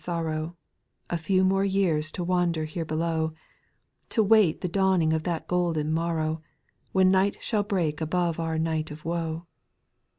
sorrow, A few more years to wander here below, To wait the dawning of that golden morrow, When night shall break above our night of woe.